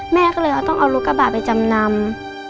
แม่ก็เลยต้องเอารถกระบะไปจำนำ